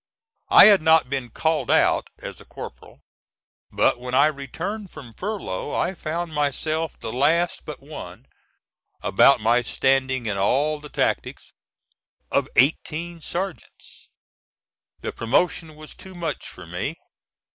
I had not been "called out" as a corporal, but when I returned from furlough I found myself the last but one about my standing in all the tactics of eighteen sergeants. The promotion was too much for me.